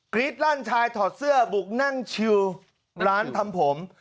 รี๊ดลั่นชายถอดเสื้อบุกนั่งชิวร้านทำผม